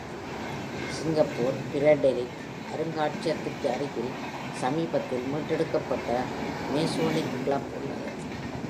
Singapore philatelic அருங்காட்சியகத்திற்கு அருகில், சமீபத்தில் மீட்டெடுக்கப்பட்ட மேசோனிக் கிளப் உள்ளது.